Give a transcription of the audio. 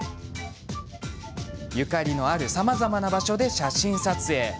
ゆかりのある、さまざまな場所で写真撮影。